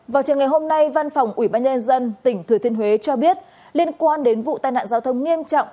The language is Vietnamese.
vào trường ngày hôm nay văn phòng ủy ban nhân dân tỉnh thừa thiên huế cho biết liên quan đến vụ tai nạn giao thông nghiêm trọng